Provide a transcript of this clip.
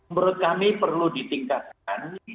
menurut kami perlu ditingkatkan